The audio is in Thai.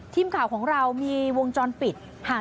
ทีมข่าวของเรามีวงจรปิดห่าง